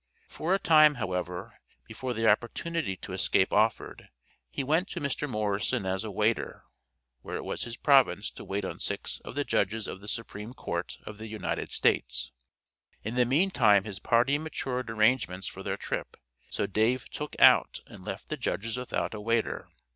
For a time, however, before the opportunity to escape offered, he went to Mr. Morrison as a waiter, where it was his province to wait on six of the Judges of the Supreme Court of the United States. In the meantime his party matured arrangements for their trip, so Dave "took out" and left the Judges without a waiter.